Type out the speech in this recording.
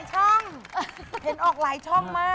เห็นออกหลายช่อง